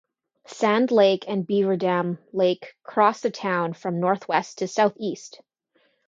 Sand Lake and Beaver Dam Lake cross the town from northwest to southeast.